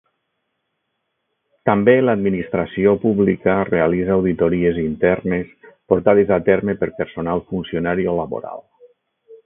També l'administració pública realitza auditories internes portades a terme per personal funcionari o laboral.